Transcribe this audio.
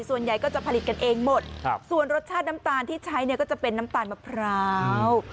ส่วนใหญ่ก็จะผลิตกันเองหมดส่วนรสชาติน้ำตาลที่ใช้เนี่ยก็จะเป็นน้ำตาลมะพร้าว